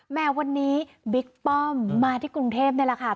แม่วันนี้บิ๊กป้อมมาที่กรุงเทพนี่แหละค่ะ